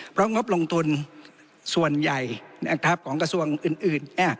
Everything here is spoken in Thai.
เพราะงบลงทุนส่วนใหญ่ของกระทรวงอื่น